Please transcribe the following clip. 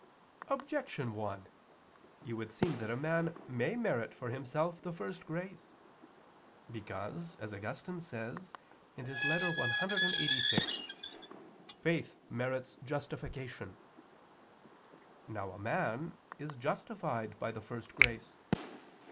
Objection 1: It would seem that a man may merit for himself the first grace, because, as Augustine says (Ep. clxxxvi), "faith merits justification." Now a man is justified by the first grace.